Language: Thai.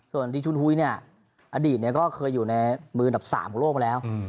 ส่วนดิงจุนฮุยอดีตก็เคยอยู่ในมือดับ๓ของโลกมาแล้ว